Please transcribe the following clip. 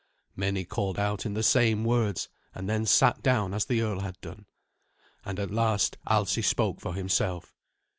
Many called out in the same words, and then sat down as the earl had done. And at last Alsi spoke for himself.